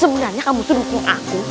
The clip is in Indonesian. sebenarnya kamu itu dukung aku